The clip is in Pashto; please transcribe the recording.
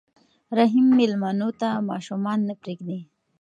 رحیم مېلمنو ته ماشومان نه پرېږدي.